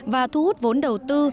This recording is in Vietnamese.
và thu hút vốn đầu tư